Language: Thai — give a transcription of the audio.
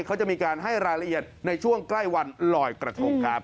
เขาจะมีการให้รายละเอียดในช่วงใกล้วันลอยกระทงครับ